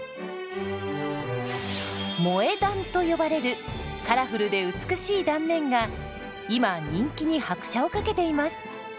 「萌え断」と呼ばれるカラフルで美しい断面が今人気に拍車をかけています。